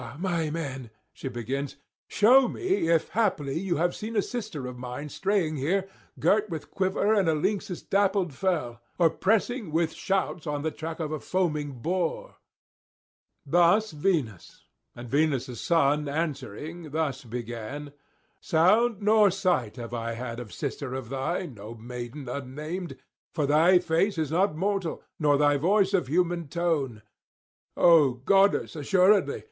my men,' she begins, 'shew me if [322 355]haply you have seen a sister of mine straying here girt with quiver and a lynx's dappled fell, or pressing with shouts on the track of a foaming boar.' Thus Venus, and Venus' son answering thus began: 'Sound nor sight have I had of sister of thine, O maiden unnamed; for thy face is not mortal, nor thy voice of human tone; O goddess assuredly!